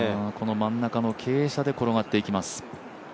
真ん中の傾斜で転がっていきます。